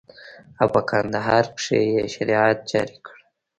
او په کندهار کښې يې شريعت جاري کړى.